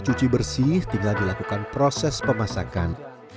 cuci bersih tinggal dilakukan proses pemasakan